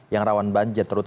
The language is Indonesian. yang rawan banjir